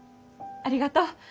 ありがとう。